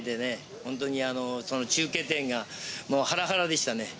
本当に中継点がハラハラでしたね。